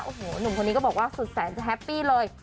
โอ้โหหนุ่มคนนี้ก็บอกว่าสุดแสนจะแฮปปี้เลย